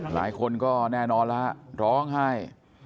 หลายคนก็แน่นอนแล้วร้องไห้